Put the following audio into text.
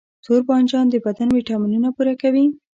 توربانجان د بدن ویټامینونه پوره کوي.